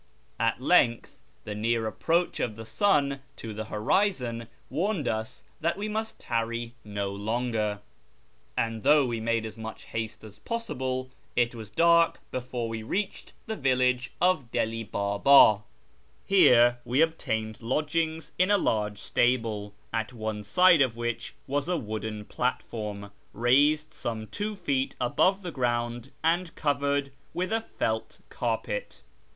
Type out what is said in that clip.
At length the near approach of the sun to the horizon warned us that we must tarry no longer ; and though we made as much haste as possible, it was dark before we reached the village of Deli Baba. Here we obtained lodgings in a large stable, at one side of which was a wooden platform, raised some two feet above the ground and covered with a felt carpet.